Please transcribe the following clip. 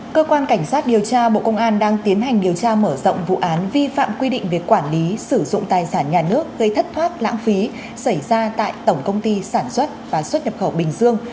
cơ quan cảnh sát điều tra bộ công an đang tiến hành điều tra mở rộng vụ án vi phạm quy định về quản lý sử dụng tài sản nhà nước gây thất thoát lãng phí xảy ra tại tổng công ty sản xuất và xuất nhập khẩu bình dương